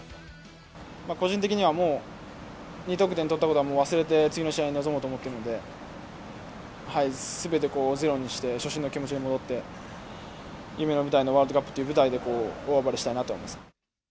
個人的にはもう２得点取ったことはもう忘れて、次の試合に臨もうと思ってるので、すべてゼロにして、初心の気持ちに戻って、夢の舞台のワールドカップという舞台で、大暴れしたいなと思います。